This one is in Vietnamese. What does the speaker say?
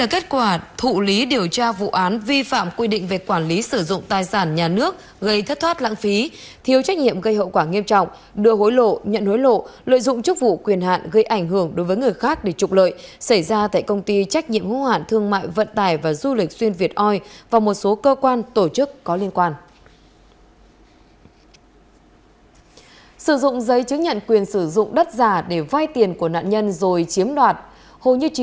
khởi tố để điều tra về hành vi lừa đảo chiếm mặt tài sản